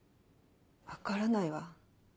分からないわ。